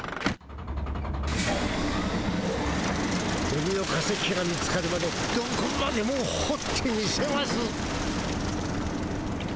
オニの化石が見つかるまでどこまでもほってみせます。